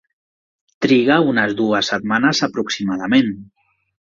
Triga unes dues setmanes aproximadament.